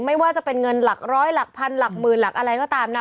ไม่ว่าจะเป็นเงินหลักร้อยหลักพันหลักหมื่นหลักอะไรก็ตามนะ